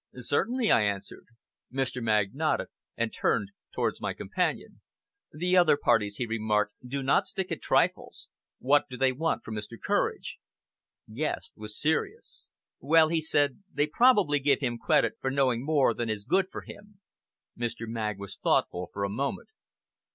"Certainly," I answered. Mr. Magg nodded and turned towards my companion. "The other parties," he remarked, "do not stick at trifles. What do they want from Mr. Courage?" Guest was serious. "Well," he said, "they probably give him credit for knowing more than is good for him." Mr. Magg was thoughtful for a moment.